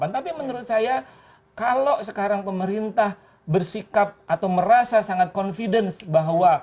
tapi menurut saya kalau sekarang pemerintah bersikap atau merasa sangat confidence bahwa